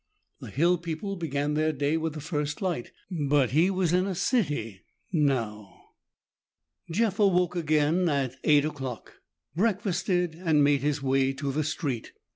The hill people began their day with the first light, but he was in a city now. Jeff awoke again at eight o'clock, breakfasted and made his way to the street.